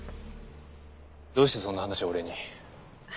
どうしてそんな話を俺に？